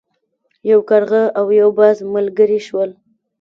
یو کارغه او یو باز ملګري شول.